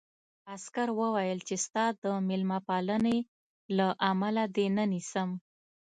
عسکر وویل چې ستا د مېلمه پالنې له امله دې نه نیسم